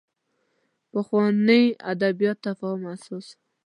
پخلاینې ادبیات تفاهم اساس و